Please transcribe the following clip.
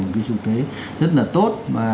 một cái dụng thế rất là tốt và